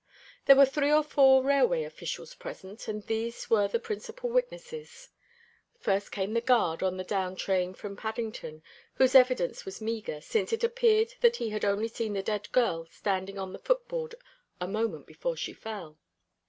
There were three or four railway officials present, and these were the principal witnesses. First came the guard on the down train from Paddington, whose evidence was meagre, since it appeared that he had only seen the dead girl standing on the footboard a moment before she fell.